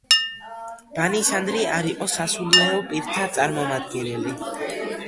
ბანისადრი არ იყო სასულიერო პირთა წარმომადგენელი.